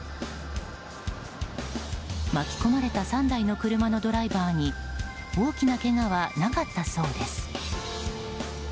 巻き込まれた３台の車のドライバーに大きなけがはなかったそうです。